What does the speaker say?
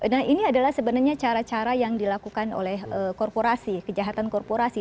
nah ini adalah sebenarnya cara cara yang dilakukan oleh korporasi kejahatan korporasi